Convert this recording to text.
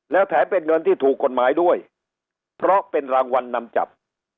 แล้วแถมเป็นเงินที่ถูกกฎหมายด้วยเพราะเป็นรางวัลนำจับ